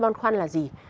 tôi băn khoăn là gì